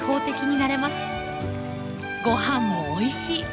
ご飯もおいしい！